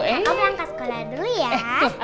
kakak pulang ke sekolah dulu ya